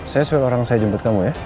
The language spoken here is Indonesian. saya suruh orang saya jemput kamu ya